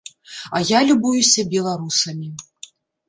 А я любуюся беларусамі.